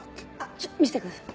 ちょっ見せてください。